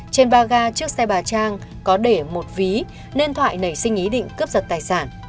trên ba ga chiếc xe bà trang có để một ví nên thoại nảy sinh ý định cướp giật tài sản